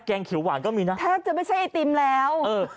แทบจะไม่ใช่ไอติมแล้ว